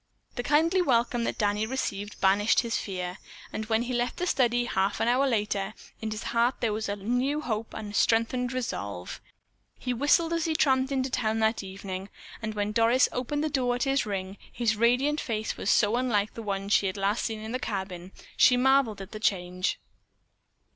The kindly welcome that Danny received banished his fear, and when he left the study half an hour later, in his heart there was a new hope and a strengthened resolve. He whistled as he tramped into town that evening, and when Doris opened the door at his ring, his radiant face was so unlike the one she had last seen in the cabin, she marveled at the change.